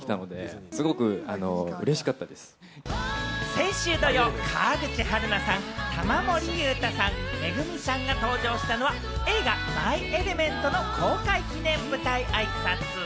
先週土曜、川口春奈さん、玉森裕太さん、ＭＥＧＵＭＩさんが登場したのは、映画『マイ・エレメント』の公開記念舞台あいさつ。